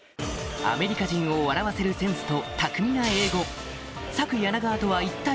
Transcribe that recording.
アメリカ人を笑わせるセンスと巧みな英語